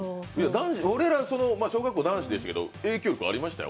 俺ら小学校男子ですけど、影響力ありましたよ。